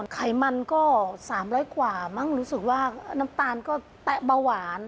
ไขมันก็๓๐๐กว่ามั้งรู้สึกว่าน้ำตาลก็แตะเบาหวาน